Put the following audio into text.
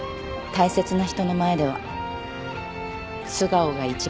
大切な人の前では素顔が一番です。